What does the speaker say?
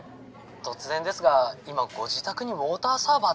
突然ですが今ご自宅にウォーターサーバーってございますか？